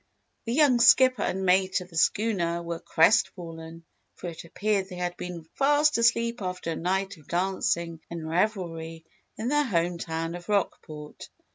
The young skipper and mate of the schooner were crestfallen for it appeared they had been fast asleep after a night of dancing and revelry in their hometown of Rockport.